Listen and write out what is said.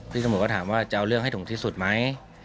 ตำรวจก็ถามว่าจะเอาเรื่องให้ถึงที่สุดไหม